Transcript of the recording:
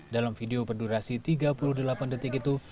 dalam video berdurasi tiga puluh delapan detik itu